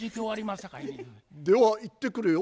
ではいってくるよ。